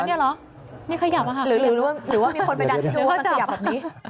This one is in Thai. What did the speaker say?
หรือว่ามีคนไปดัดหรือว่ามันขยับแบบนี้